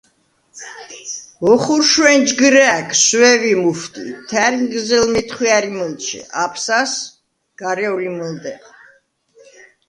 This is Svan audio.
ოხურშვენ ჯგჷრა̄̈გ – სვევი მუჰვდი, თა̈რინგზელ – მეთხვია̈რი მჷლჩე, აფსასდ – გარევლი მჷლდეღ.